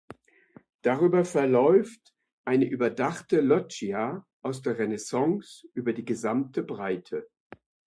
Darüber verläuft eine überdachte Loggia aus der Renaissance über die gesamte Breite.